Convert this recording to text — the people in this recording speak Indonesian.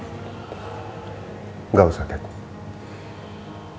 enggak usah deb